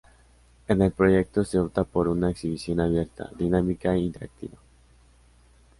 En el proyecto se opta por una exhibición abierta, dinámica e interactiva.